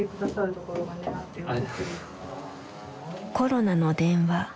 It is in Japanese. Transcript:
コロナの電話